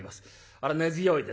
あれ根強いですわな